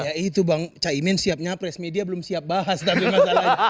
ya itu bang caimin siap nyapres media belum siap bahas tapi masalahnya